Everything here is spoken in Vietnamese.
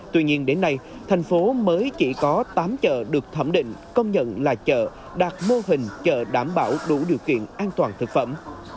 tuy nhiên đến nay thành phố mới chỉ có tám chợ được thẩm định công nhận là chợ đạt mô hình chợ đảm bảo đủ điều kiện an toàn thực phẩm